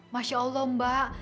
masya allah mbak